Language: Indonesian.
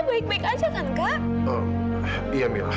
gimana kondisinya kak fah